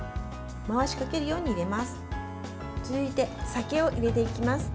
回しかけるように入れます。